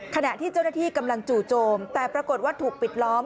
ขณะที่เจ้าหน้าที่กำลังจู่โจมแต่ปรากฏว่าถูกปิดล้อม